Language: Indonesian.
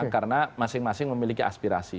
karena masing masing memiliki aspirasi